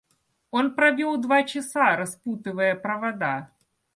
Он провёл два часа, распутывая провода.